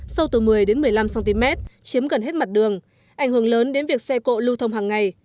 sâu từ một mươi đến một mươi năm cm chiếm gần hết mặt đường ảnh hưởng lớn đến việc xe cộ lưu thông hàng ngày